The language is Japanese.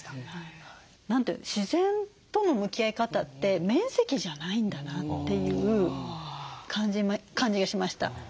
自然との向き合い方って面積じゃないんだなっていう感じがしました。